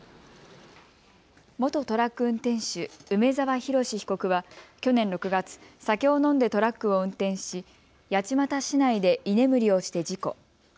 元トラック運転手、梅澤洋被告は去年６月、酒を飲んでトラックを運転し八街市内で居眠りをして事故。